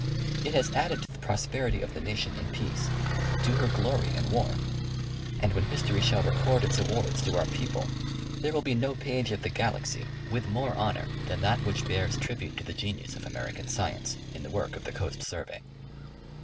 It has added to the prosperity of the nation in peace — to her glory in war ; and when history shall record its awards to our people, there will be no page of the galaxy with more honor than that which bears The Survey of the Coast. 77 tribute to the genius of American Science, in the work of the Coast Survey.